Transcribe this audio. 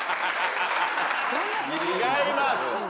違います。